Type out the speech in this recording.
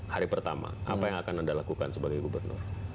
hari pertama apa yang akan anda lakukan sebagai gubernur